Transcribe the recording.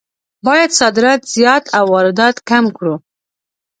باید صادرات زیات او واردات کم کړو.